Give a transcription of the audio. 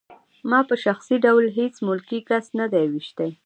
ما په شخصي ډول هېڅ ملکي کس نه دی ویشتی